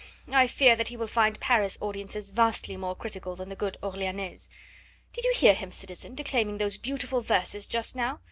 I fear that he will find Paris audiences vastly more critical than the good Orleanese. Did you hear him, citizen, declaiming those beautiful verses just now?